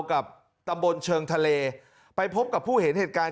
กับตำบลเชิงทะเลไปพบกับผู้เห็นเหตุการณ์